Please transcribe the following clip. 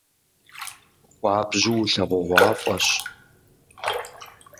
Хуабжьу улъэгъугъуафӏэщ.